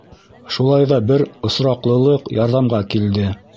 Шулай ҙа бер осраҡлылыҡ ярҙамға килде.